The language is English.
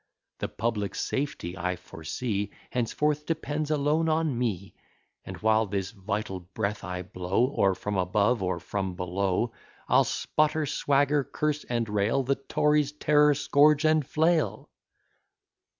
The public safety, I foresee, Henceforth depends alone on me; And while this vital breath I blow, Or from above or from below, I'll sputter, swagger, curse, and rail, The Tories' terror, scourge, and flail.